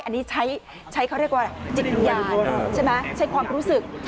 อันนี้ใช้เขาเรียกว่าจิตวิญญาณใช่ไหมใช้ความรู้สึก